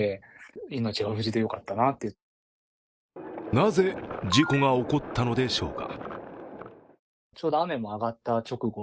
なぜ事故が起こったのでしょうか。